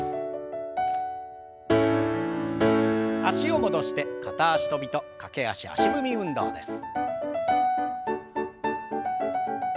脚を戻して片足跳びと駆け足足踏み運動です。